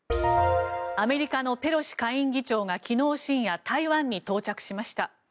アメリカのペロシ下院議長が昨日深夜、台湾に到着しました。